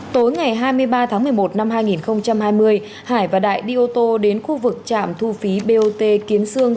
tối ngày hai mươi ba tháng một mươi một năm hai nghìn hai mươi hải và đại đi ô tô đến khu vực trạm thu phí bot kiến sương